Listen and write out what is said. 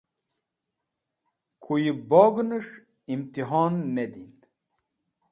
Kuyẽ bognes̃h imtihon ne din.